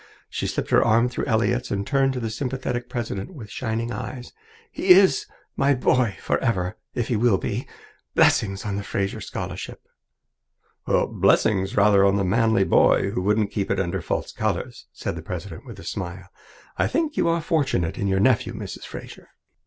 She slipped her arm through Elliott's and turned to the sympathetic president with shining eyes. "He is my boy forever, if he will be. Blessings on the Fraser Scholarship!" "Blessings rather on the manly boy who wouldn't keep it under false colours," said the president with a smile. "I think you are fortunate in your nephew, Mrs. Fraser."